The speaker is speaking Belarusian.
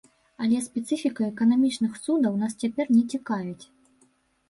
Але спецыфіка эканамічных цудаў нас цяпер не цікавіць.